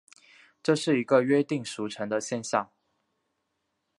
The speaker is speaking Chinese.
这是一个约定俗成的现像。